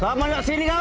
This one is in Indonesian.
kau mau gak sini kau